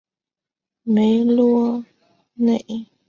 梅罗内。